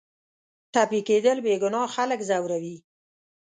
ټپي کېدل بېګناه خلک ځوروي.